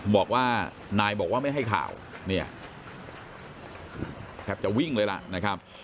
บอกว่านายบอกว่าไม่ให้ข่าวเนี่ยแทบจะวิ่งเลยล่ะนะครับ